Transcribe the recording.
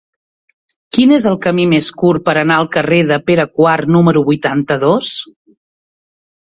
Quin és el camí més curt per anar al carrer de Pere IV número vuitanta-dos?